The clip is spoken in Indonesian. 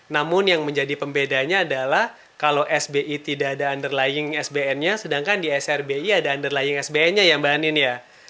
namun yang menjadi pembedanya adalah kalau sbi tidak ada underlying sbnnya sedangkan di srbi ada underlying sbnnya ya mbak anindita